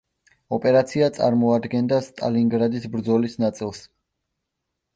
ოპერაცია წარმოადგენდა სტალინგრადის ბრძოლის ნაწილს.